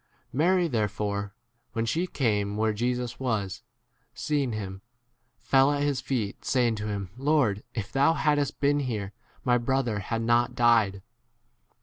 Mary therefore, when she came where Jesus was, seeing him, fell at his feet, saying to him, Lord, if thou hadst been here, my brother had 33 not died.